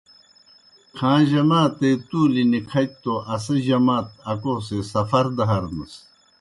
کھاں جماتے تُولیْ نِکَھتیْ توْ اسہ جمات اکو سے سفر دہ ہَرنَس۔